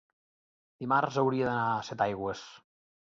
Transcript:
Dimarts hauria d'anar a Setaigües.